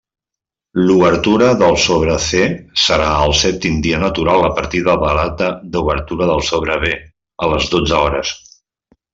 L'obertura del sobre C serà el sèptim dia natural a partir de la data d'obertura del sobre B, a les dotze hores.